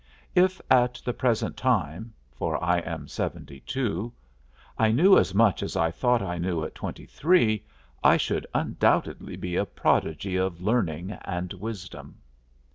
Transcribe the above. If at the present time for I am seventy two I knew as much as I thought I knew at twenty three I should undoubtedly be a prodigy of learning and wisdom.